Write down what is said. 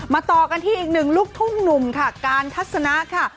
ต่อกันที่อีกหนึ่งลูกทุ่งหนุ่มค่ะการทัศนะค่ะ